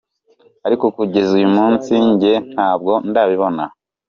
Ariko kugeza uyu munsi njye ntabwo ndabibona.